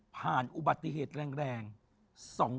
ผ่านอุบัติเหตุแรง